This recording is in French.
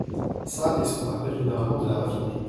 Ca est ce que l’on appelle généralement de la raffinerie.